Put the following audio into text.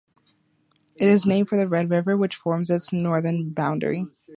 It is named for the Red River, which forms its northern boundary.